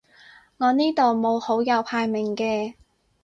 我呢度冇好友排名嘅